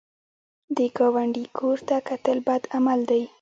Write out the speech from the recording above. د ګاونډي کور ته کتل بد عمل دی